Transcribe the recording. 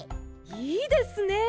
いいですね！